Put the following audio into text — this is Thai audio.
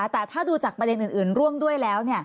แต่ถ้าดูจากประเด็นอื่นร่วมด้วยแล้ว